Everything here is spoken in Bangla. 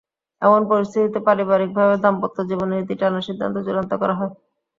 এমন পরিস্থিতিতে পারিবারিকভাবে দাম্পত্য জীবনের ইতি টানার সিদ্ধান্ত চূড়ান্ত করা হয়।